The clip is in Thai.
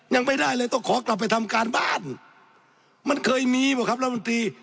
ยังไม่ได้เลยต้องขอกลับไปทำการบ้านมันเคยมีป่ะครับรัฐมนตรี